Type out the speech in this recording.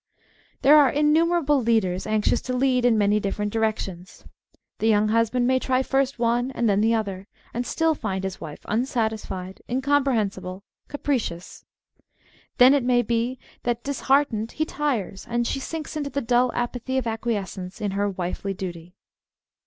There arc innumerable leaders anxious to lead in many different directions. The young husband may try first one and then the other, and still find his wife unsatisfied, incomprehensible — capricious. Then it may be that, disheartened, he tires, and she sinks into the dull apathy of acquiescence in her " wifely duty."